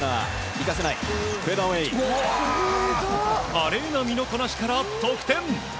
華麗な身のこなしから得点。